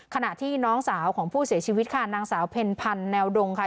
ขณะที่น้องสาวของผู้เสียชีวิตค่ะนางสาวเพ็ญพันธ์แนวดงค่ะ